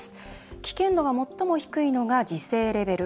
危険度が最も低いのが自制レベル。